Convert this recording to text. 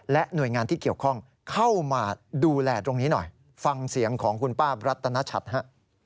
หน่วยงานที่เกี่ยวข้องเข้ามาดูแลตรงนี้หน่อยฟังเสียงของคุณป้ารัตนชัดฮะ